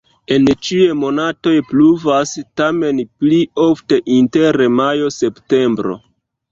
En ĉiuj monatoj pluvas, tamen pli ofte inter majo-septembro.